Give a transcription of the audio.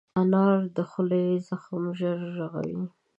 انار د خولې زخم ژر رغوي.